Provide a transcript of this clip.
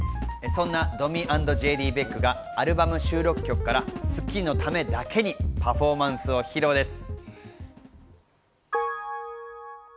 そんなドミ＆ＪＤ・ベックがアルバム収録曲から『スッキリ』のためだけにパフォーマンスを披露です。